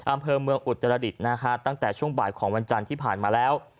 อำเภอเมืองอุตรดิษฐ์นะฮะตั้งแต่ช่วงบ่ายของวันจันทร์ที่ผ่านมาแล้ว